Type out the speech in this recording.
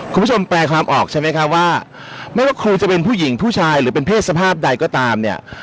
แปลความออกใช่ไหมครับว่าไม่ว่าครูจะเป็นผู้หญิงผู้ชายหรือเป็นเพศสภาพใดก็ตามเนี่ย